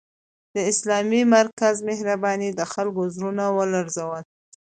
د اسلامي مرکز مهربانۍ د خلکو زړونه ولړزول